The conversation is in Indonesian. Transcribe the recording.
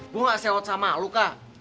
gua gak sewot sama lu kak